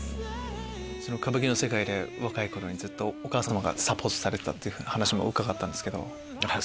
歌舞伎の世界で若い頃ずっとお母様がサポートされてた話も伺ったんですけど。